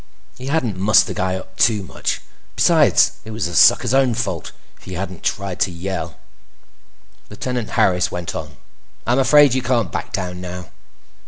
He hadn't mussed the guy up much; besides, it was the sucker's own fault. If he hadn't tried to yell— Lieutenant Harris went on: "I'm afraid you can't back down now."